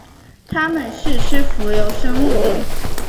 它们是吃浮游生物的。